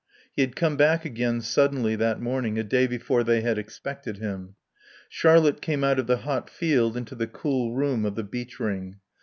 He had come back again, suddenly, that morning, a day before they had expected him. Charlotte came out of the hot field into the cool room of the beech ring.